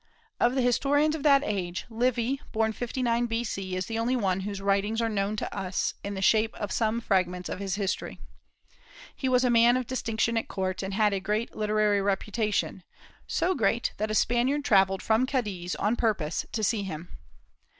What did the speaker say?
Of the historians of that age, Livy, born 59 B.C., is the only one whose writings are known to us, in the shape of some fragments of his history. He was a man of distinction at court, and had a great literary reputation, so great that a Spaniard travelled from Cadiz on purpose to see him.